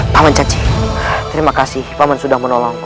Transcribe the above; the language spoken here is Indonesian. paman caci terima kasih paman sudah menolongku